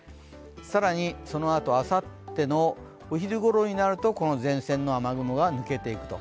更にそのあと、あさってのお昼ごろになるとこの前線の雨雲が抜けていくと。